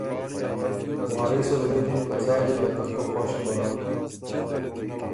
وارث ال غوېکِن که څال يې که ترتُو خوش بَۀ۔